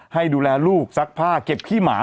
ให้ดูแลลูกซักผ้าเก็บขี้หมา